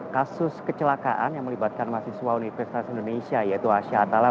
kasus kecelakaan yang melibatkan mahasiswa universitas indonesia yaitu asha atala